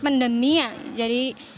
pandemi ya jadi